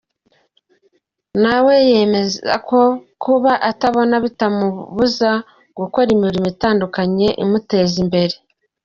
Nawe yemeza ko kuba atabona bitamubuza gukora imirimo itandukanye imuteza imbere.